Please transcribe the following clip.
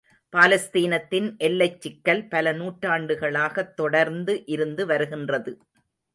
பாலஸ்தீனத்தின் எல்லைச் சிக்கல் பல நூற்றாண்டுகளாகத் தொடர்ந்து இருந்து வருகின்றது.